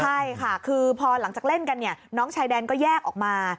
ใช่ค่ะคือพอหลังจากเล่นกันเนี่ยน้องชายแดนก็แยกออกมา